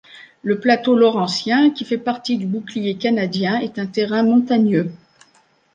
Le plateau laurentien, qui fait partie du bouclier canadien, est un terrain montagneux.